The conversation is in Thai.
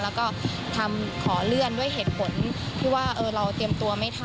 แล้วก็ทำขอเลื่อนด้วยเหตุผลที่ว่าเราเตรียมตัวไม่ทัน